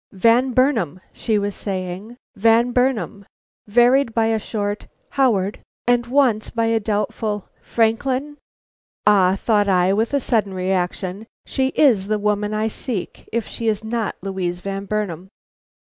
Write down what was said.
"Van Burnam!" she was saying, "Van Burnam!" varied by a short "Howard!" and once by a doubtful "Franklin!" "Ah," thought I, with a sudden reaction, "she is the woman I seek, if she is not Louise Van Burnam."